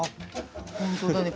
本当だね。